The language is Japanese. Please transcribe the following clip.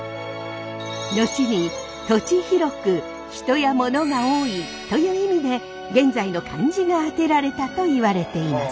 後に「土地博く人や物が多い」という意味で現在の漢字が当てられたといわれています。